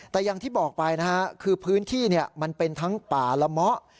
แต่อย่างที่บอกไปนะฮะคือพื้นที่มันเป็นทั้งป่าละเมาะ